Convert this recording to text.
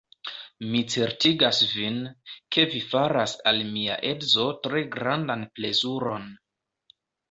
Mi certigas vin, ke vi faras al mia edzo tre grandan plezuron.